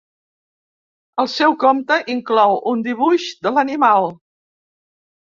El seu compte inclou un dibuix de l'animal.